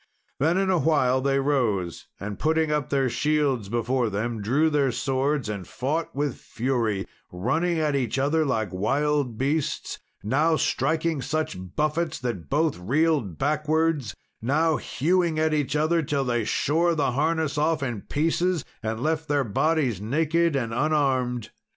Then, in a while, they rose, and putting up their shields before them, drew their swords, and fought with fury, running at each other like wild beasts now striking such buffets that both reeled backwards, now hewing at each other till they shore the harness off in pieces, and left their bodies naked and unarmed.